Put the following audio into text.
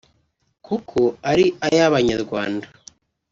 kuko ari ay’ abanyarwanda